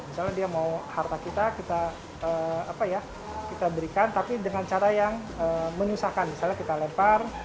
misalnya dia mau harta kita kita berikan tapi dengan cara yang menyusahkan misalnya kita lempar